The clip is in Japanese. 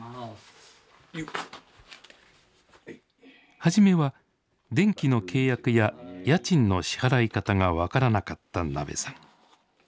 はじめは電気の契約や家賃の支払い方が分からなかったなべさん。